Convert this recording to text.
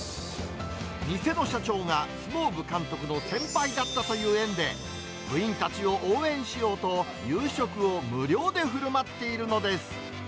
店の社長が相撲部監督の先輩だったという縁で、部員たちを応援しようと、夕食を無料でふるまっているのです。